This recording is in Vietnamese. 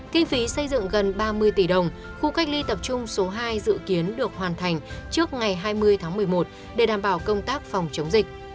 kinh phí xây dựng gần ba mươi tỷ đồng khu cách ly tập trung số hai dự kiến được hoàn thành trước ngày hai mươi tháng một mươi một để đảm bảo công tác phòng chống dịch